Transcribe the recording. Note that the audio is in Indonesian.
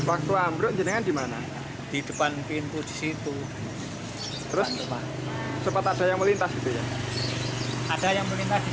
ada yang melintas di sini jatuh jatuh anak perempuan